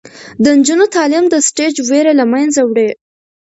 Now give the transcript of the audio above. د نجونو تعلیم د سټیج ویره له منځه وړي.